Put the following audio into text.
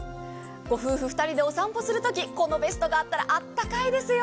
ご夫婦２人でお散歩するときこのベストがあったらあったかいですよ。